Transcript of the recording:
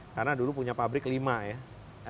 karena dulu punya pabrik lima ya